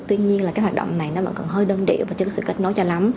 tuy nhiên là cái hoạt động này nó vẫn cần hơi đơn điệu và chưa có sự kết nối cho lắm